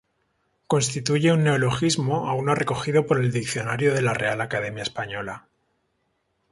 Constituye un neologismo aún no recogido por el diccionario de la Real Academia Española.